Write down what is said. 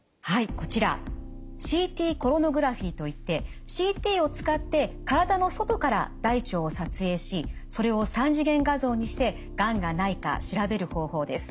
こちらＣＴコロノグラフィーといってＣＴを使って体の外から大腸を撮影しそれを３次元画像にしてがんがないか調べる方法です。